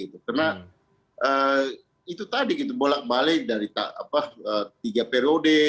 karena itu tadi bolak balik dari tiga periode